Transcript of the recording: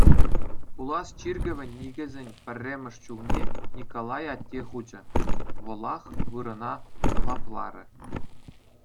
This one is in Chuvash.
Пулас чиркӗвӗн никӗсӗн пӗрремӗш чулне Николай атте хучӗ, вӑлах вырӑна сӑвапларӗ.